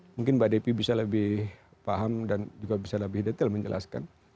mungkin mbak devi bisa lebih paham dan juga bisa lebih detail menjelaskan